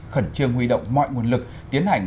khẩn trương huy động mọi nguồn lực tiến hành